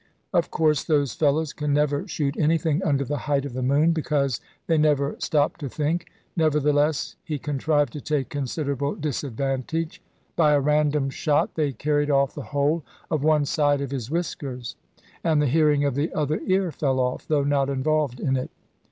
Of course those fellows can never shoot anything under the height of the moon, because they never stop to think; nevertheless he contrived to take considerable disadvantage. By a random shot they carried off the whole of one side of his whiskers; and the hearing of the other ear fell off, though not involved in it.